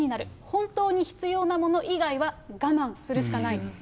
本当に必要なもの以外は我慢するしかない。